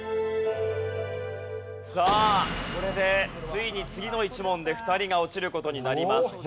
さあこれでついに次の１問で２人が落ちる事になります。